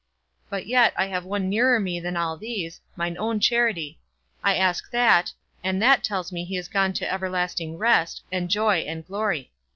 But yet I have one nearer me than all these, mine own charity; I ask that, and that tells me he is gone to everlasting rest, and joy, and glory.